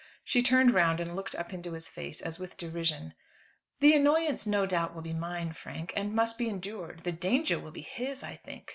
She turned round, and looked up into his face as with derision. "The annoyance no doubt will be mine, Frank, and must be endured; the danger will be his, I think.